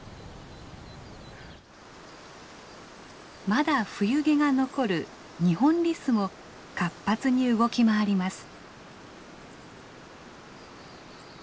まだ冬毛が残るニホンリスも活発に動き回ります。